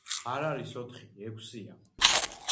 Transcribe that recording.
არ არის ოთხი, ექვსია.